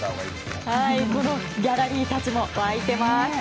ギャラリーたちも沸いています。